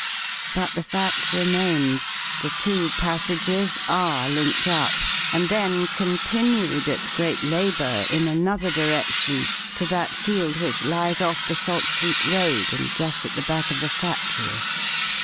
But the fact remains. The two passages are linked up, and then continued at great labour in another direction to that field which lies off the Saltfleet Road and just at the back of the factory.